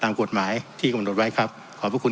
กฎหมายที่กำหนดไว้ครับขอบพระคุณ